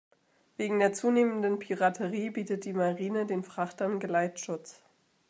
Wegen der zunehmenden Piraterie bietet die Marine den Frachtern Geleitschutz.